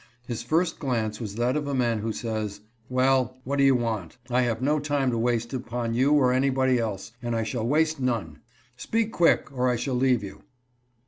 His first glance was that of a man who says :" Well, what do you want ? I have no time to waste upon you or anybody else, and I shall waste none. Speak quick, or I shall leave you."